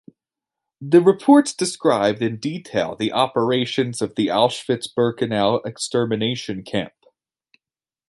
The reports described in detail the operations of the Auschwitz-Birkenau extermination camp.